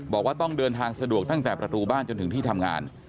บอกว่าต้องเดินทางสะดวกตั้งแต่ประตูบ้านจนถึงที่ทำงาน